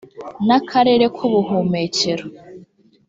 n akarere k ubuhumekero